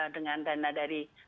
dengan dana dari